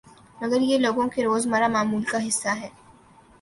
مگر یہ لوگوں کے روزمرہ معمول کا حصہ ہے